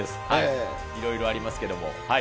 いろいろありますけれども。